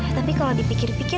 tapi kalau dipikir pikir